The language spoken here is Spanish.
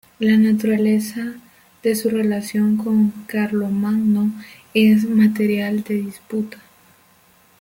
La naturaleza de su relación con Carlomagno es materia de disputa.